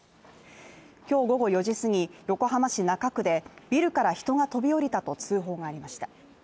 今日午後４時すぎ、横浜市中区でビルから人が飛び降りたと通報がありました。